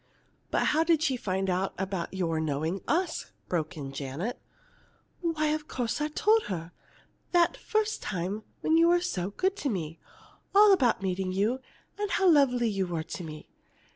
"But how did she find out about your knowing us?" broke in Janet. "Why, of course I told her that first time after you were so good to me all about meeting you, and how lovely you were to me.